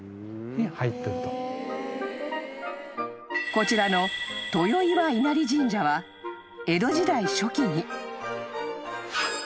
［こちらの豊岩稲荷神社は江戸時代初期に］